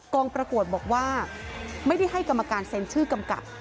งประกวดบอกว่าไม่ได้ให้กรรมการเซ็นชื่อกำกับ